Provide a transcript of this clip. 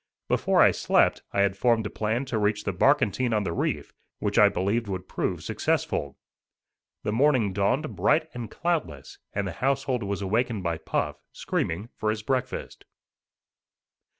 Before I slept I had formed a plan to reach the barkentine on the reef, which I believed would prove successful. The morning dawned bright and cloudless, and the household was awakened by Puff, screaming for his breakfast.